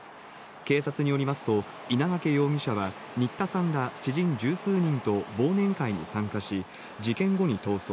警察によりますと、稲掛容疑者は新田さんら知人十数人と忘年会に参加し、事件後に逃走。